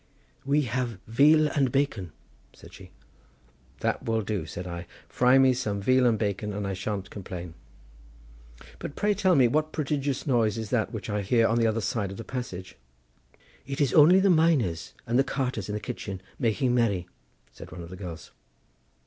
"We have veal and bacon," said she. "That will do," said I; "fry me some veal and bacon, and I shan't complain. But pray tell me what prodigious noise is that which I hear on the other side of the passage?" "It is only the miners and the carters in the kitchen making merry," said one of the girls.